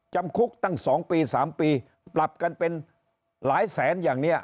จำคุกตั้ง๒ปี๓ปีปรับกันเป็นหลายแสนอย่างนี้